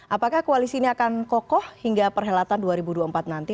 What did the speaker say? apakah koalisi ini akan kokoh hingga perhelatan dua ribu dua puluh empat nanti